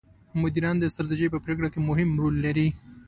مدیران د ستراتیژۍ په پرېکړو کې مهم رول لري.